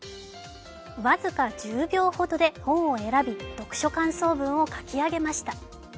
僅か１０秒ほどで本を選び、読書感想文を書き上げました。